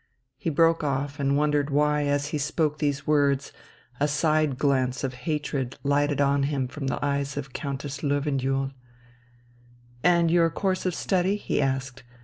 He broke off, and wondered why as he spoke these words a side glance of hatred lighted on him from the eyes of Countess Löwenjoul. "And your course of study?" he asked.